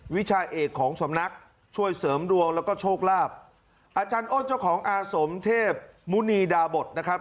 วิชาเอกของสำนักช่วยเสริมดวงแล้วก็โชคลาภอาจารย์อ้นเจ้าของอาสมเทพมุณีดาบทนะครับ